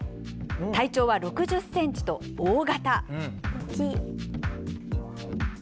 体長は６０センチと大型！